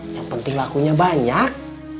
yang penting lakunya banyak